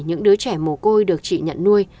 những đứa trẻ mồ côi được chị nhận nuôi